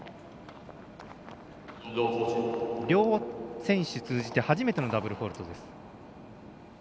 両選手通じて初めてのダブルフォールト。